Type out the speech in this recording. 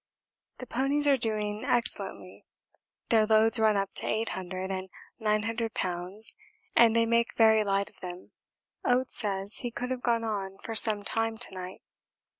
The ponies are doing excellently. Their loads run up to 800 and 900 lbs. and they make very light of them. Oates said he could have gone on for some time to night.